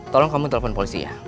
tolong kamu telpon polisi ya